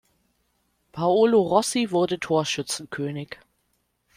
Paolo Rossi wurde Torschützenkönig.